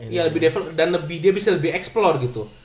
iya lebih develop dan dia bisa lebih explore gitu